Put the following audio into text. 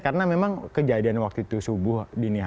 karena memang kejadian waktu itu subuh